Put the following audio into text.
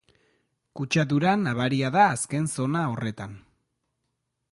Kutsadura nabaria da azken zona horretan.